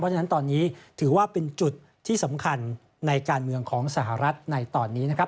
ฉะนั้นตอนนี้ถือว่าเป็นจุดที่สำคัญในการเมืองของสหรัฐในตอนนี้นะครับ